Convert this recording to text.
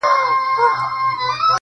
په یو نظر کي مي د سترگو په لړم نیسې.